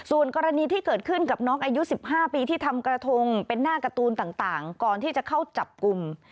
ส่วนกรณีที่เกิดขึ้นกับน้องอายุ๑๕ปีที่ทำกระทงเป็นหน้าการ์ตูนต่างก่อนที่จะเข้าจับกลุ่ม